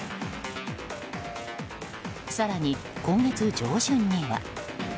更に、今月上旬には。